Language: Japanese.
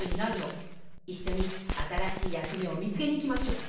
いっしょにあたらしいやくめをみつけにいきましょう！